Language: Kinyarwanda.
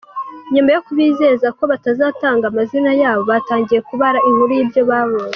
Nyuma yo kubizeza ko batazatangaza amazina yabo, batangiye kubara inkuru y’ibyo babonye.